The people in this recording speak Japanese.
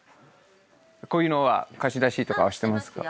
こういうのは貸し出しとかはしてますか？